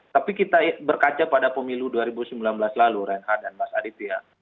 tapi kita berkaca pada pemilu dua ribu sembilan belas lalu renhat dan mas aditya